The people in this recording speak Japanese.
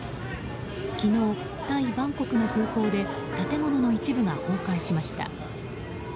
昨日、タイ・バンコクの空港で建物の一部が崩壊しました。